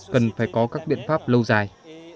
cần phải có các biện pháp lâu dài